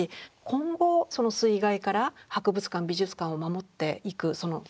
今後その水害から博物館美術館を守っていくその造り方ですね